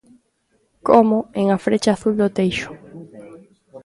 Como en "A frecha azul do teixo".